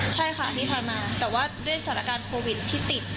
ใช่ค่ะที่ผ่านมาแต่ว่าด้วยสถานการณ์โควิดที่ติด